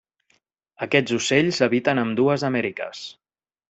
Aquests ocells habiten ambdues Amèriques.